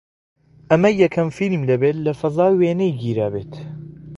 ئەمە یەکەم فیلم دەبێت لە فەزا وێنەی گیرابێت